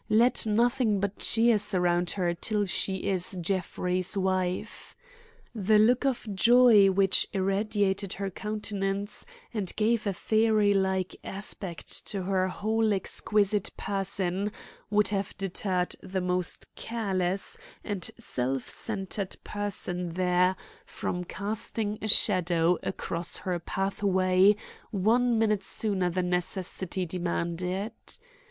Let nothing but cheer surround her till she is Jeffrey's wife!' The look of joy which irradiated her countenance, and gave a fairy like aspect to her whole exquisite person would have deterred the most careless and self centered person there from casting a shadow across her pathway one minute sooner than necessity demanded.